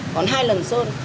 còn hai lần sơn